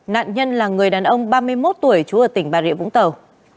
nạn nhân là người đàn ông ba mươi một tuổi trú ở tỉnh bà rịa vũng tàu